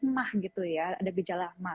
emah gitu ya ada gejala